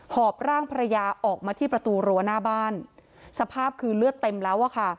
อบร่างภรรยาออกมาที่ประตูรั้วหน้าบ้านสภาพคือเลือดเต็มแล้วอะค่ะ